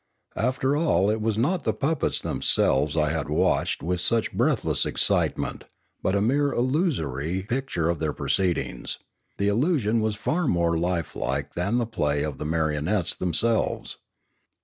After all it was not the puppets themselves I had watched with such breathless excitement, but a mere illusory picture of their proceedings; the illusion was far more lifelike than the play of the marionettes themselves.